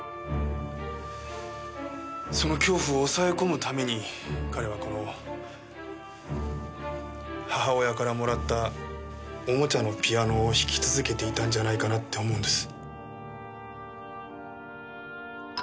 その恐怖を抑え込むために彼はこの母親からもらったおもちゃのピアノを弾き続けていたんじゃないかなって思うんです。